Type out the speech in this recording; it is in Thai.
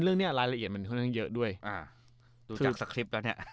เรื่องนี้รายละเอียดมันค่อนข้างเยอะด้วยอ่าดูจากสคริปต์แล้วเนี่ย